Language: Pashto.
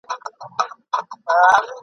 قوالې چي د جنت یې ورکولې !.